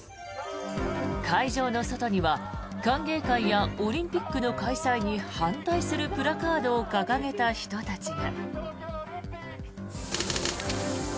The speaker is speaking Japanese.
会場の外には歓迎会やオリンピックの開催に反対するプラカードを掲げた人たちが。